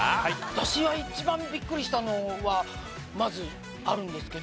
私が一番ビックリしたのはまずあるんですけど。